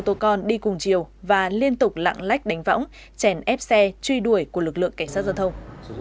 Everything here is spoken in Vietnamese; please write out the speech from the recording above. cảnh sát giao thông đi cùng chiều và liên tục lặng lách đánh võng chèn ép xe truy đuổi của lực lượng cảnh sát giao thông